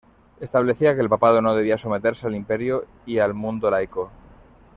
Establecía que el Papado no debía someterse al Imperio y al mundo laico.